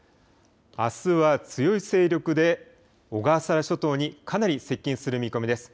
あすは強い勢力で小笠原諸島にかなり接近する見込みです。